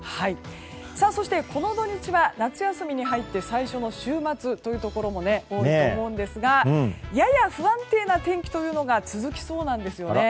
そして、この土日は夏休みに入って最初の週末というところも多いと思うんですがやや不安定な天気というのが続きそうなんです。